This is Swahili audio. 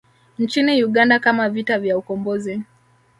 Nchini Uganda kama vita vya Ukombozi